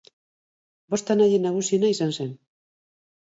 Bost anaien nagusiena izan zen.